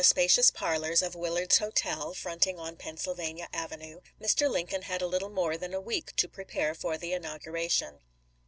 Ijl spacious parlors of Willard's Hotel, fronting on Pennsylvania Avenue, Mr. Lincoln had a little more than a week to prepare for the inauguration.